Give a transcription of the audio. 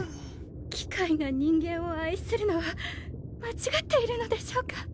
機械が人間を愛するのは間違っているのでしょうか。